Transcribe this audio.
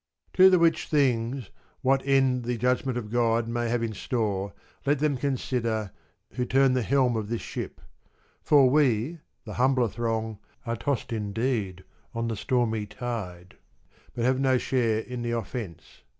To the which things what end the judgment of God may have in store let them consider who turn the helm of this ship ; for we, the humbler throng, are tossed indeed on the stormy tide, but have no share in the offence.